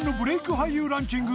俳優ランキング